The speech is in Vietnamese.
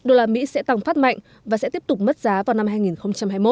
usd sẽ tăng phát mạnh và sẽ tiếp tục mất giá vào năm hai nghìn hai mươi một